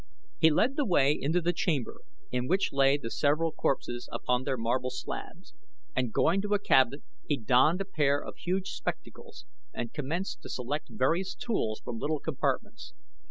He led the way into the chamber in which lay the several corpses upon their marble slabs, and going to a cabinet he donned a pair of huge spectacles and commenced to select various tools from little compartments.